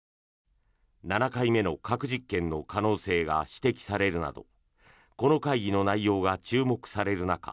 ７回目の核実験の可能性が指摘されるなどこの会議の内容が注目される中